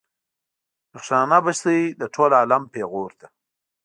نشانه به شئ د ټول عالم پیغور ته.